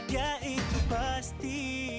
ya itu pasti